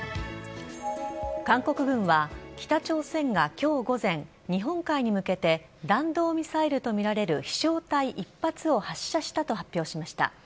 韓国軍は、北朝鮮がきょう午前、日本海に向けて弾道ミサイルと見られる飛しょう体１発を発射したと発表しました。